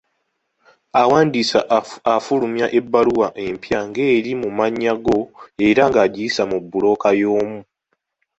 Awandiisa afulumya ebbaluwa empya ng'eri mu mannya go era ng'agiyisa mu bbulooka y'omu.